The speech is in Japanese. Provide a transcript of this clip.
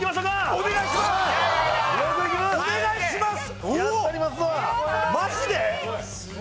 お願いします！